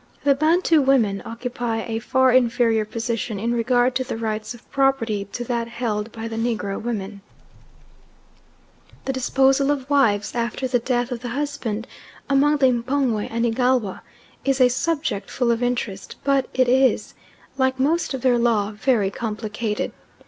The Bantu women occupy a far inferior position in regard to the rights of property to that held by the Negro women. The disposal of wives after the death of the husband among the M'pongwe and Igalwa is a subject full of interest; but it is, like most of their law, very complicated.